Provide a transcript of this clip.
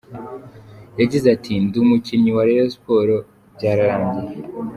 Yagize ati “Ndi umukinnyi wa Rayon Sports, byararangiye.